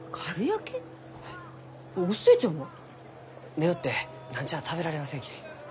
寝よって何ちゃあ食べられませんき。